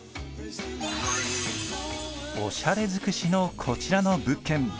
オシャレ尽くしのこちらの物件